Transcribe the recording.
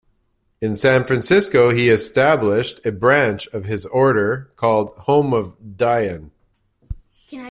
In San Francisco he established a branch of his order, called "Home of Dhyan".